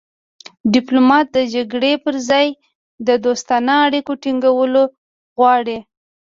ډیپلومات د جګړې پر ځای د دوستانه اړیکو ټینګول غواړي